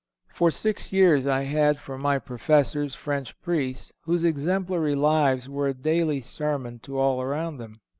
For six years I had for my professors French Priests, whose exemplary lives were a daily sermon to all around them.